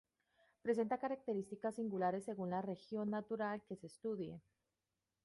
Presenta características singulares según la región natural que se estudie.